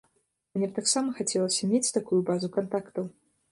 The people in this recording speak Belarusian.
Мне б таксама хацелася мець такую базу кантактаў.